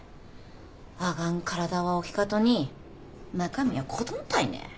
あがん体は大きかとに中身は子どんたいね。